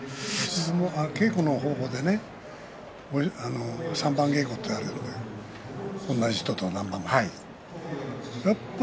稽古の方法で三番稽古あるんだけど同じ人と何番もやる